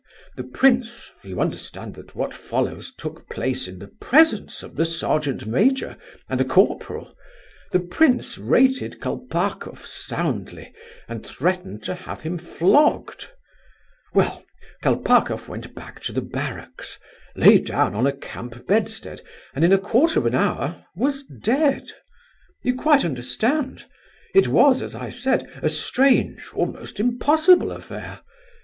The prince—you understand that what follows took place in the presence of the sergeant major, and a corporal—the prince rated Kolpakoff soundly, and threatened to have him flogged. Well, Kolpakoff went back to the barracks, lay down on a camp bedstead, and in a quarter of an hour was dead: you quite understand? It was, as I said, a strange, almost impossible, affair.